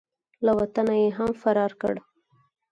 له وطنه یې هم فرار کړ.